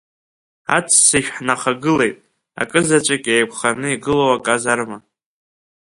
Аццышә ҳнахагылеит, акызаҵәык еиқәханы игылоуп аказарма.